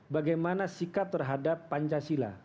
bagaimana sikap terhadap pancasila